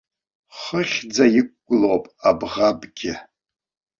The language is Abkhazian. Хыхьӡа иқәгылоуп абӷабгьы.